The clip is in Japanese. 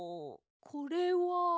これは。